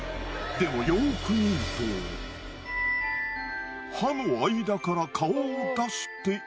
でもよく見ると歯の間から顔を出している。